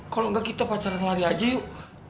kalau enggak kita pacaran lari aja yuk